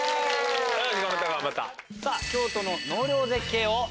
よし頑張った頑張った。